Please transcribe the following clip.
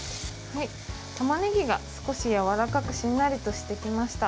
たまねぎが少しやわらかくしんなりとしてきました。